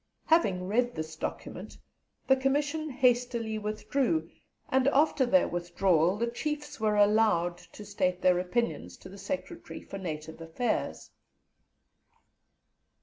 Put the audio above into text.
Having read this document, the Commission hastily withdrew, and after their withdrawal the Chiefs were "allowed" to state their opinions to the Secretary for Native Affairs.